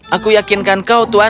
aku yakinkan kau tuan